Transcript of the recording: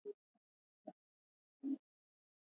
ازادي راډیو د د تګ راتګ ازادي په اړه د مینه والو لیکونه لوستي.